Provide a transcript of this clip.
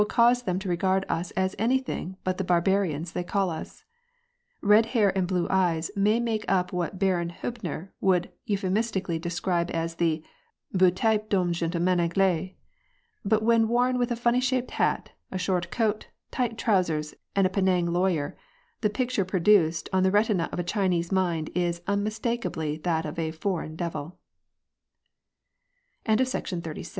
cause them to regard us as anything but the bar barians they call us. Eed hair and blue eyes may make up what Baron Htibner would euphemistically describe as the " beau type d\m gentleman anglais," but when worn with a funny shaped hat, a short coat, tight trousers, and a Penang lawyer, the picture pro duced on the retina of a Chinese mind is unmistak ably that of a " fo